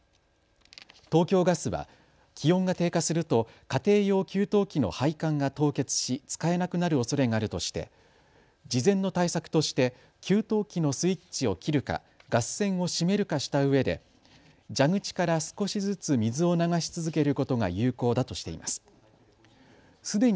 東京ガスは気温が低下すると家庭用給湯器の配管が凍結し使えなくなるおそれがあるとして事前の対策として給湯器のスイッチを切るか、ガス栓を閉めるかしたうえで蛇口から少しずつ水を流し続けることが有効だとしています。